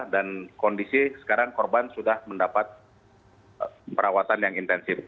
kondisi sekarang korban sudah mendapat perawatan yang intensif